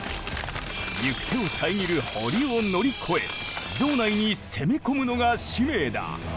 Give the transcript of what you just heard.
行く手を遮る堀を乗り越え城内に攻め込むのが使命だ。